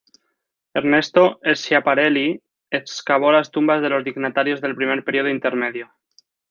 Ernesto Schiaparelli excavó las tumbas de los dignatarios del primer periodo intermedio.